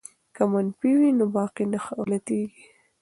که منفي وي نو باقی نه غلطیږي.